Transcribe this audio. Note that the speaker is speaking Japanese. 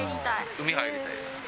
海入りたいです。